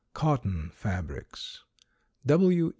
] COTTON FABRICS. W.